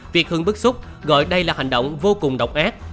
việt hương bức xúc gọi đây là hành động vô cùng độc ác